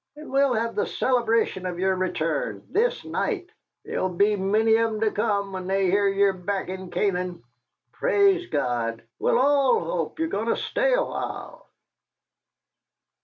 And we'll have the celebration of yer return this night. There'll be many of 'em will come when they hear ye're back in Canaan! Praise God, we'll all hope ye're goin' to stay a while!"